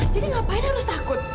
jadi ngapain harus takut